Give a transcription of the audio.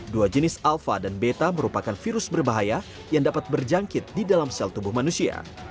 dua jenis alpha dan beta merupakan virus berbahaya yang dapat berjangkit di dalam sel tubuh manusia